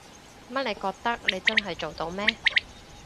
乜你覺得你真係做到咩？